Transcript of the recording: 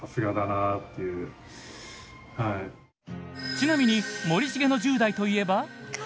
ちなみに森重の１０代といえば。